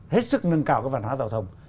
hết sức nâng cao cái văn hóa tàu thông